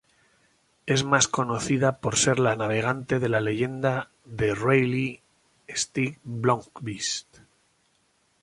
Es más conocida por ser la navegante de la leyenda de rally Stig Blomqvist.